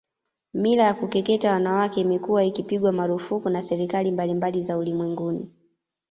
Mila ya kukeketa wanawake imekuwa ikipigwa marufuku na serikali mbalimbali za ulimwenguni